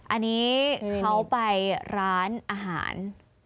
อันนี้เขาไปร้านอาหาร